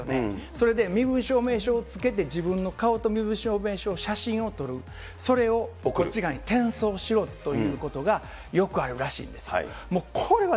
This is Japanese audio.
それで身分証明書をつけて、自分の顔と身分証明書、写真を撮る、それをこっち側に転送しろということがよくあるらしいんです。